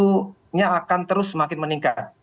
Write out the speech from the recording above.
suhunya akan terus semakin meningkat